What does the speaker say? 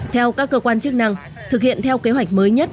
theo các cơ quan chức năng thực hiện theo kế hoạch mới nhất